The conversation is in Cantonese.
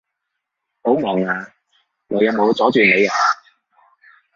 好忙呀？我有冇阻住你呀？